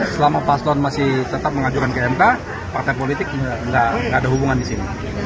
selama paslon masih tetap mengajukan ke mk partai politik tidak ada hubungan di sini